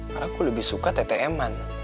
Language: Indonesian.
karena aku lebih suka ttm an